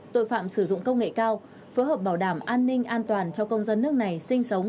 tội phạm sử dụng công nghệ cao phối hợp bảo đảm an ninh an toàn cho công dân nước này sinh sống